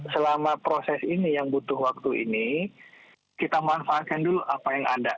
selama proses ini yang butuh waktu ini kita manfaatkan dulu apa yang ada